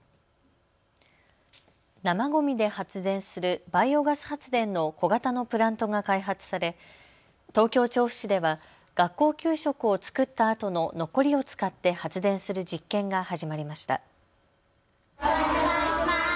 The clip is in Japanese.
生ごみで発電するバイオガス発電の小型のプラントが開発され、東京調布市では学校給食を作ったあとの残りを使って発電する実験が始まりました。